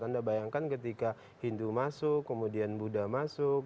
anda bayangkan ketika hindu masuk kemudian buddha masuk